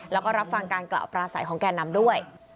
แล้วก็รับฟังการกล่าวปราศัยของแก่นำด้วย